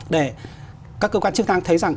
để các cơ quan chức năng thấy rằng